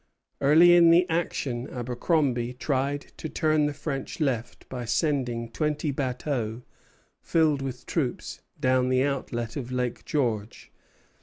Early in the action Abercromby tried to turn the French left by sending twenty bateaux, filled with troops, down the outlet of Lake George.